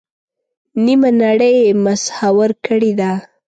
نیمه نړۍ یې مسحور کړې ده.